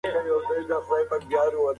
ساینسپوهان له اوږدې مودې کار کوي.